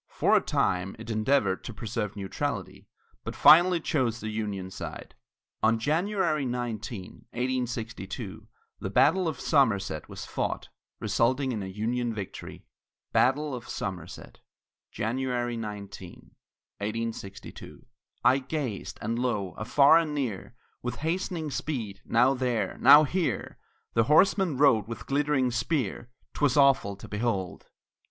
For a time, it endeavored to preserve neutrality, but finally chose the Union side. On January 19, 1862, the battle of Somerset was fought, resulting in a Union victory. BATTLE OF SOMERSET [January 19, 1862] I gazed, and lo! Afar and near, With hastening speed, now there, now here, The horseman rode with glittering spear 'Twas awful to behold!